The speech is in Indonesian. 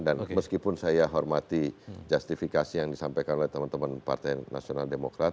dan meskipun saya hormati justifikasi yang disampaikan oleh teman teman partai nasional demokrat